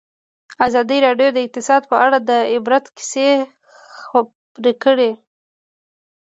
ازادي راډیو د اقتصاد په اړه د عبرت کیسې خبر کړي.